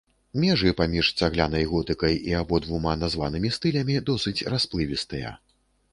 Межы паміж цаглянай готыкай і абодвума названымі стылямі досыць расплывістыя.